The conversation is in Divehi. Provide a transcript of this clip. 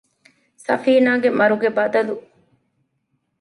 ސަފީނާގެ މަރުގެ ބަދަލު